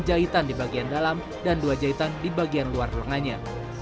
jahitan di bagian dalam dan dua jahitan di bagian luar lengannya